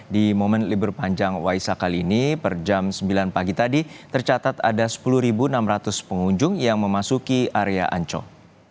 di momen libur panjang waisak kali ini per jam sembilan pagi tadi tercatat ada sepuluh enam ratus pengunjung yang memasuki area ancol